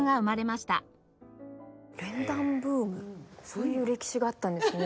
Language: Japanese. そういう歴史があったんですね。